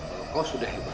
kalau kau sudah hebat